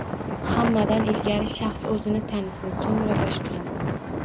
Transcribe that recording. Hammadan ilgari shaxs o‘zini tanisin, so‘ngra boshqani!